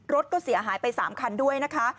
รถก็เสียหายไป๓คันด้วยนะคะ